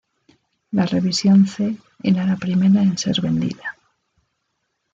La Revisión C era la primera en ser vendida.